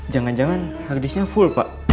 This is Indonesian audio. jangan jangan hadisnya full pak